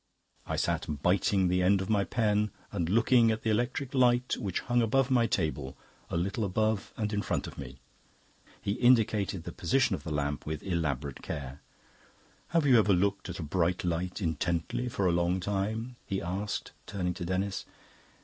I sat biting the end of my pen and looking at the electric light, which hung above my table, a little above and in front of me." He indicated the position of the lamp with elaborate care. "Have you ever looked at a bright light intently for a long time?" he asked, turning to Denis.